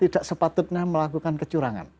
tidak sepatutnya melakukan kecurangan